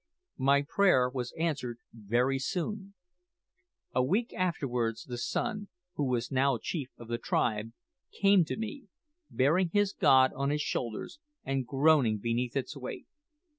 My prayer was answered very soon. A week afterwards the son, who was now chief of the tribe, came to me, bearing his god on his shoulders, and groaning beneath its weight.